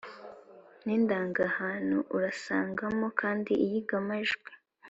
n’indangahantu. Urasangamo kandi iyigamajwi,